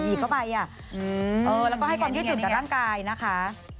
เออแล้วก็ให้ความยืดหยุ่นกับร่างกายนะคะเหนียนอย่างนี้ไง